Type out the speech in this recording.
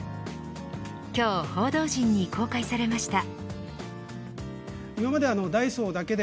今日、報道陣に公開されました。